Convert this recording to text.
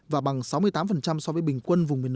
và bằng sáu mươi tám so với bình quân vùng miền